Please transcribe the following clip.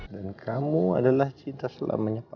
dan kamu adalah cinta selamanya papa